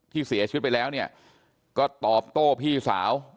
ที่เสียชีวิตไปแล้วเนี่ยก็ตอบโต้พี่สาว